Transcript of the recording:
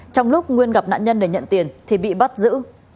trong lúc nguyên gặp nạn nhân để nhận tiền thì bị bắt giữ